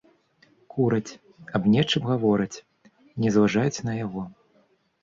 Кураць, аб нечым гавораць, не зважаюць на яго.